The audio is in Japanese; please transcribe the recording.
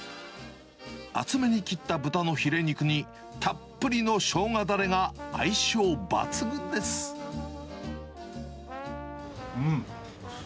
厚めに切った豚のヒレ肉に、たっぷりのしょうがだれが相性抜群です。